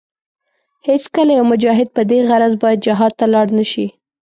هېڅکله يو مجاهد په دې غرض باید جهاد ته لاړ نشي.